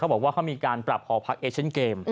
บอกว่าเขามีการปรับหอพักเอเชนเกม